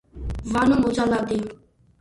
ვანო მოძალადეა